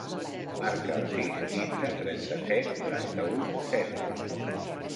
Marca el sis, quinze, trenta-set, noranta-u, setze.